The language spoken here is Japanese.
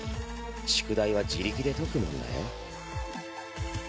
宿題は自力で解くもんだよ。